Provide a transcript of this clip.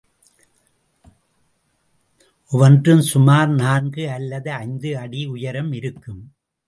ஒவ்வொன்றும் சுமார் நான்கு அல்லது ஐந்து அடி உயரம் இருக்கும்.